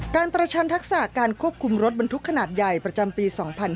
ประชันทักษะการควบคุมรถบรรทุกขนาดใหญ่ประจำปี๒๕๕๙